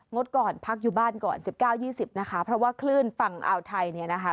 ดก่อนพักอยู่บ้านก่อน๑๙๒๐นะคะเพราะว่าคลื่นฝั่งอ่าวไทยเนี่ยนะคะ